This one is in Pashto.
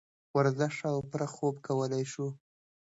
ورزش او پوره خوب کولے شو -